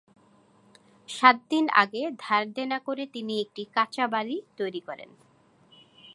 সাত দিন আগে ধারদেনা করে তিনি একটি কাঁচা বাড়ি তৈরি করেন।